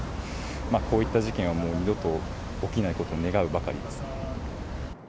こういった事件がもう二度と起きないことを願うばかりです。